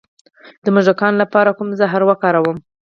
د موږکانو لپاره کوم زهر وکاروم؟